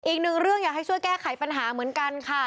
อีกหนึ่งเรื่องอยากให้ช่วยแก้ไขปัญหาเหมือนกันค่ะ